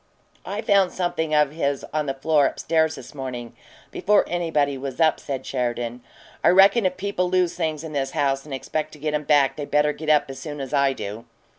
"I found something of his on the floor up stairs this morning, before anybody was up," said Sheridan. "I reckon if people lose things in this house and expect to get 'em back, they better get up as soon as I do."